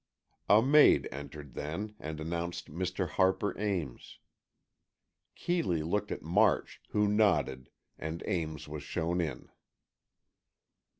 A maid entered then and announced Mr. Harper Ames. Keeley looked at March, who nodded, and Ames was shown in.